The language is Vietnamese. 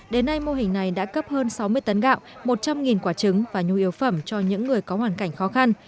đến nay mô hình này đã cấp hơn sáu mươi tấn gạo một trăm linh quả trứng và nhu yếu phẩm cho những người có hoàn cảnh khó khăn